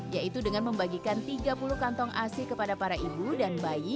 yaitu dengan membagikan tiga puluh kantong asi kepada para ibu dan bayi